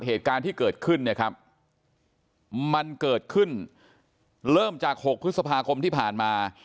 เหตุการณ์ที่เกิดขึ้นเนี่ยครับมันเกิดขึ้นเริ่มจาก๖พฤษภาคมที่ผ่านมา